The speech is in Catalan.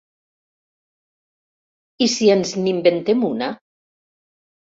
I si ens n'inventem una?